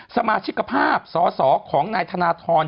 สมาชิกภาพสอสอของนายธนทร